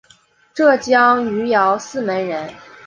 浙江余姚泗门人。